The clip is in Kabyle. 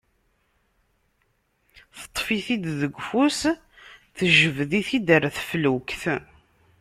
Teṭṭef-it-id deg ufus, tejbed-it ɣer teflukt.